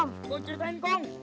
mau ceritain kong